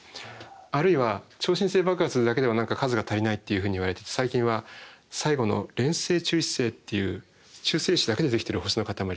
あるいは超新星爆発だけでは数が足りないっていうふうにいわれてて最近は最後の連星中性子星っていう中性子だけでできてる星の固まり。